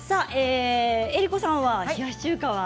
江里子さんは冷やし中華は？